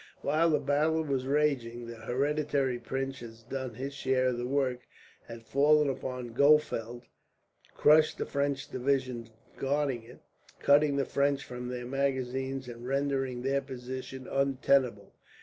While the battle was raging, the Hereditary Prince had done his share of the work, had fallen upon Gohfeld, crushed the French division guarding it, cutting the French from their magazines and rendering their position untenable.